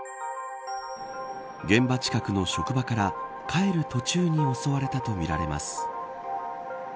現場近くの職場から帰る途中に襲われたとみられます。